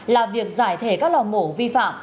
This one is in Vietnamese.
là việc giải thể các lò mổ vi phạm